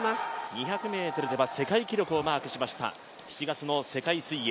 ２００ｍでは世界記録をマークしました、７月の世界水泳。